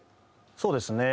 そうですね。